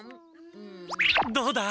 どうだ？